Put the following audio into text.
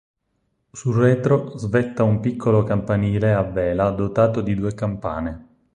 Sul retro svetta un piccolo campanile a vela dotato di due campane.